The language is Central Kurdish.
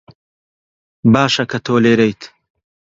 باشە کە تۆ لێرەیت.